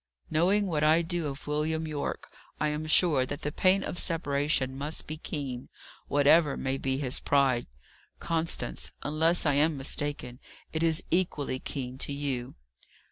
"Knowing what I do of William Yorke, I am sure that the pain of separation must be keen, whatever may be his pride. Constance, unless I am mistaken, it is equally keen to you."